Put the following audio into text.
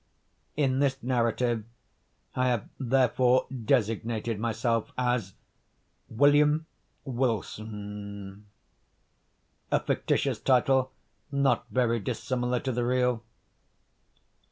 In this narrative I have therefore designated myself as William Wilson,—a fictitious title not very dissimilar to the real.